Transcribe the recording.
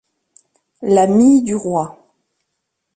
La Mye du Roy.